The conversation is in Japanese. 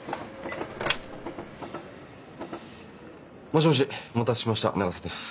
もしもしお待たせしました永瀬です。